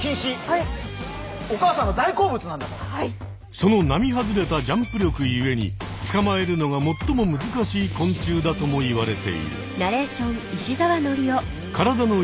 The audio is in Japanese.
その並外れたジャンプ力ゆえにつかまえるのがもっとも難しい昆虫だともいわれている。